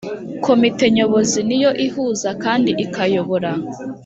Komite Nyobozi ni yo ihuza kandi ikayobora